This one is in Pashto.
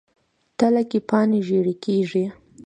تله کې پاڼې ژیړي کیږي.